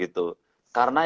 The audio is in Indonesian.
ini betul sekali short